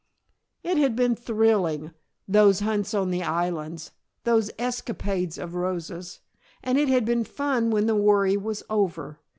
It had been thrilling those hunts on the islands, those escapades of Rosa's and it had been fun when the worry was over.